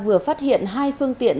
vừa phát hiện hai phương tiện